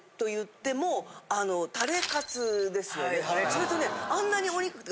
それとね。